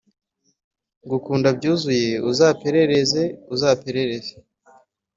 ngukunda byuzuye, uzaperereze uzaperereze